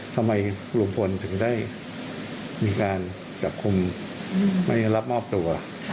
ทำไมลุงพลถึงได้มีการจับกลุ่มไม่รับมอบตัว